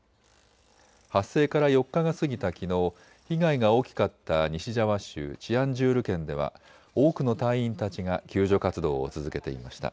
発生から４日が過ぎたきのう被害が大きかった西ジャワ州チアンジュール県では多くの隊員たちが救助活動を続けていました。